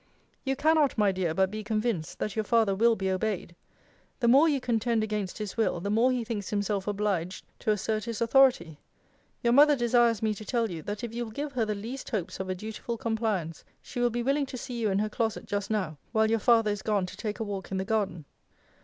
You cannot, my dear, but be convinced, that your father will be obeyed. The more you contend against his will, the more he thinks himself obliged to assert his authority. Your mother desires me to tell you, that if you will give her the least hopes of a dutiful compliance, she will be willing to see you in her closet just now, while your father is gone to take a walk in the garden.